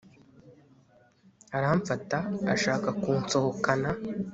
aramfata ashaka kunsohokana